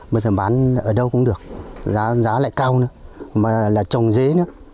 bây giờ bán ở đâu cũng được giá lại cao nữa mà là trồng dế nữa